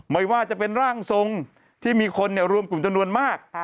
ไม่ว่าจะเป็นร่างทรงที่มีคนรวมกลุ่มจำนวนมาก